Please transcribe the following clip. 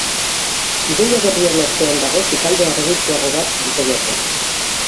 Ideia berrien artean dago sukalde argitsuago bat diseinatzea.